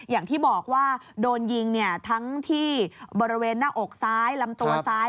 อย่างที่บอกว่าโดนยิงเนี่ยทั้งที่บริเวณหน้าอกซ้ายลำตัวซ้าย